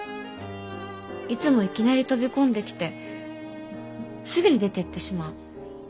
いつもいきなり飛び込んできてすぐに出てってしまう。